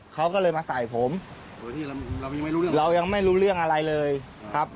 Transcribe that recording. เขาก็เลยมาใส่ผมเรายังไม่รู้เรื่องอะไรเลยครับ